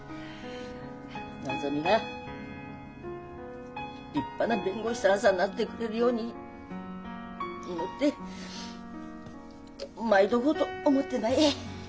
のぞみが立派な弁護士さんさなってくれるように祈ってまいとこうと思ってない。